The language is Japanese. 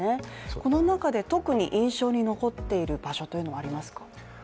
この中で特に印象に残っている場所というのはありますか？